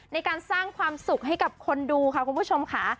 ในการสร้างความสุขให้กับคนดูค่ะคุณผู้ชมค่ะ